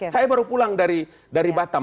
saya baru pulang dari batam